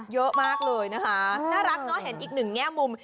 เยอะมากเลยนะคะน่ารักเนอะเห็นอีกหนึ่งแง่มุม